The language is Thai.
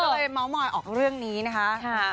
ก็เลยเมาส์มอยออกเรื่องนี้นะคะ